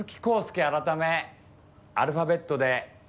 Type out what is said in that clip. アルファベットで。